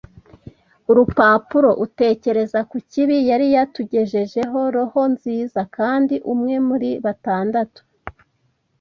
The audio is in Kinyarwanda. urupapuro, utekereza ku kibi yari yatugejejeho, roho nziza! Kandi umwe muri batandatu